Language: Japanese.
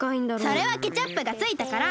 それはケチャップがついたから！